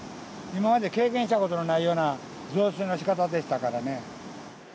今まで経験したことがないような増水のしかたでしたからね。